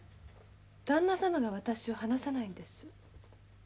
だんな様が私を離さないんです。